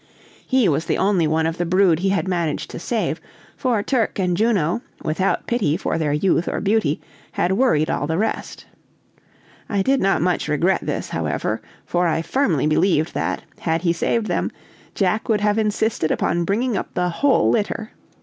He was the only one of the brood he had managed to save, for Turk and Juno, without pity for their youth or beauty, had worried all the rest. I did not much regret this, however, for I firmly believe that, had he saved them, Jack would have insisted upon bringing up the whole litter.